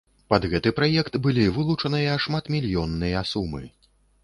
Пад гэты праект былі вылучаныя шматмільённыя сумы.